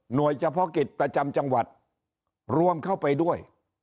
โดยเฉพาะกิจประจำจังหวัดรวมเข้าไปด้วย